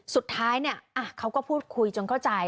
สุดท้ายเนี่ยเขาก็พูดคุยจนเข้าใจ